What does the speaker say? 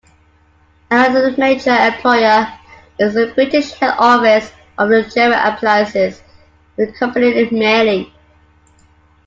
Another major employer is the British head office of the German appliance company Miele.